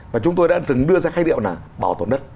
và chúng tôi đã từng đưa ra khai điệu là bảo tồn đất